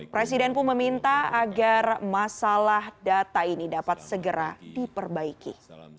presiden pun meminta agar masalah data ini dapat segera diperbaiki